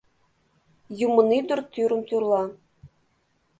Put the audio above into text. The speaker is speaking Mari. Юмынӱдыр тӱрым тӱрла